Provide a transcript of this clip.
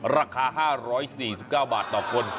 ราคา๕๔๙บาทต่อคน